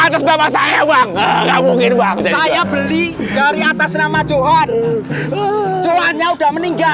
atas nama saya bang nggak mungkin banget saya beli dari atas nama johan jualannya udah meninggal